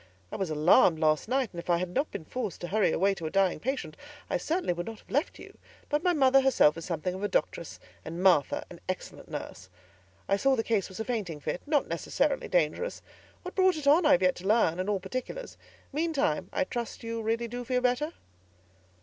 I was alarmed last night, and if I had not been forced to hurry away to a dying patient, I certainly would not have left you; but my mother herself is something of a doctress, and Martha an excellent nurse. I saw the case was a fainting fit, not necessarily dangerous. What brought it on, I have yet to learn, and all particulars; meantime, I trust you really do feel better?"